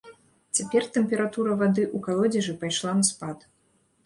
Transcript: Цяпер тэмпература вады ў калодзежы пайшла на спад.